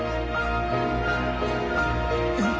えっ！